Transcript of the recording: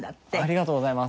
ありがとうございます。